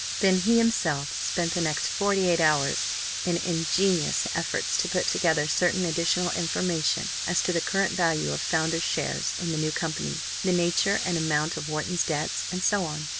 Then he himself spent the next forty eight hours in ingenious efforts to put together certain additional information as to the current value of founders' shares in the new company, the nature and amount of Wharton's debts, and so on.